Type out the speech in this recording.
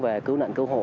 về cứu nạn cứu hộ